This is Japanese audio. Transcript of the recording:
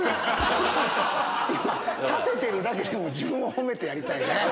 立ててるだけで自分を褒めてやりたいね。